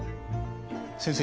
先生